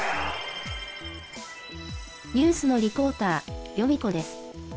ニュースのリポーター、ヨミ子です。